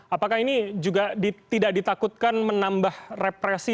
apakah ini juga tidak ditakutkan menambah represi